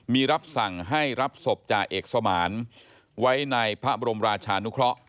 มีรับสั่งให้รับศพจ่าเอกสมานไว้ในพระบรมราชานุเคราะห์